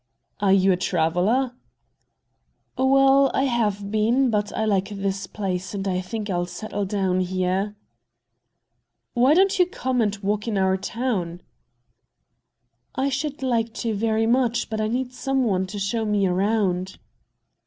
"Are you a traveler?" "Well, I have been; but I like this place, and think I'll settle down here." "Why don't you come and walk in our town?" "I should like to very much, but I need some one to show me around."